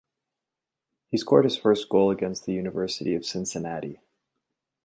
He scored his first goal against the University of Cincinnati.